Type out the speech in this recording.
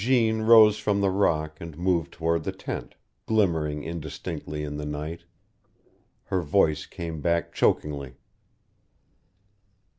Jeanne rose from the rock and moved toward the tent, glimmering indistinctly in the night. Her voice came back chokingly.